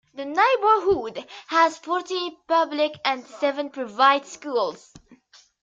The neighborhood has fourteen public and seven private schools.